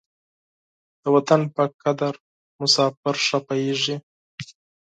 د وطن په قدر مساپر ښه پوهېږي.